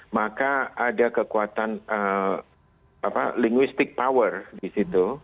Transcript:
maka ada kekuatan linguistic power di situ